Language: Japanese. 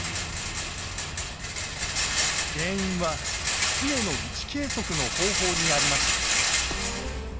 原因は船の位置計測の方法にありました。